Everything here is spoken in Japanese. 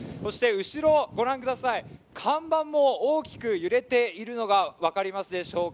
後ろ、看板も大きく揺れているのが分かりますでしょうか。